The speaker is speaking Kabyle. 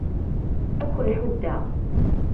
Ad ken-ḥuddeɣ.